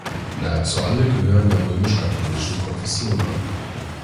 Nahezu alle gehören der römisch-katholischen Konfession an.